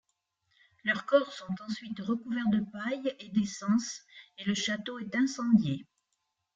Leurs corps sont ensuite recouverts de paille et d'essence et le château est incendié.